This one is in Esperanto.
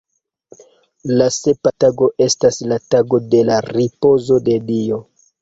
La sepa tago estas la tago de la ripozo de Dio.